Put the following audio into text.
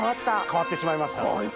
変わってしまいました。